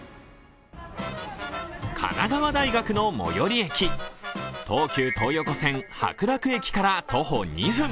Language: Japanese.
神奈川大学の最寄り駅東急東横線白楽駅から徒歩２分。